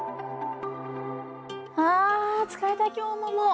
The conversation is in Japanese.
ああ疲れた今日ももう。